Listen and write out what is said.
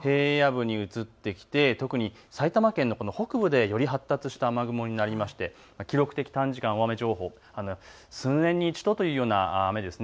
平野部に移ってきて埼玉県の北部でより発達した雨雲になって記録的短時間大雨情報、数年に１度というような雨です。